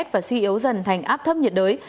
và suy yếu dần thành áp thấp nhiệt đới